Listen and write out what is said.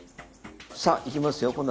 さあいきますよ。